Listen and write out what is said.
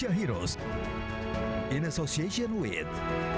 sampai jumpa di video selanjutnya